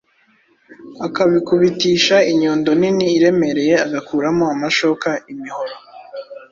akabikubitisha inyundo nini iremereye agakuramo amashoka, imihoro,